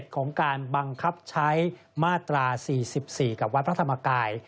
ของการบังคับใช้มาตรา๔๔กับวัดพระธรรมกาย